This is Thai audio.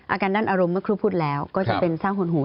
อาการด้านอารมณ์เมื่อครูพูดแล้วก็จะเป็นสร้างหุ่นหู